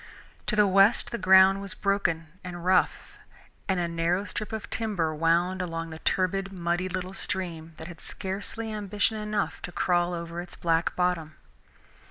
To the west the ground was broken and rough, and a narrow strip of timber wound along the turbid, muddy little stream that had scarcely ambition enough to crawl over its black bottom.